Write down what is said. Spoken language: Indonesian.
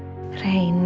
gak keras kepala ini elsa